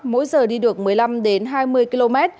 mỗi giờ đi được một mươi năm đến hai mươi km